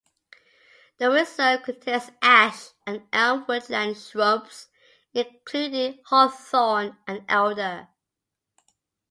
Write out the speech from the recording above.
The reserve contains ash and elm woodland and shrubs including hawthorn and elder.